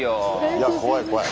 いや怖い怖い。